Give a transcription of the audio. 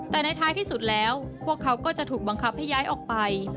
แต่ในท้ายที่สุดแล้วพวกเขาก็จะถูกบังคับให้ย้ายออกไป